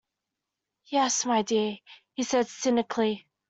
Yes my dear, he said cynically.